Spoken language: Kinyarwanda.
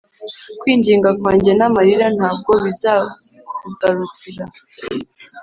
kwinginga kwanjye n'amarira ntabwo bizakugarukira.